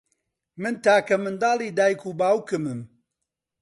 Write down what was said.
من تاکە منداڵی دایک و باوکمم.